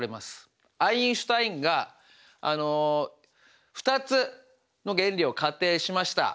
アインシュタインが２つの原理を仮定しました。